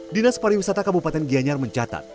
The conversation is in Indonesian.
dinas pariwisata kabupaten gianyar mencatat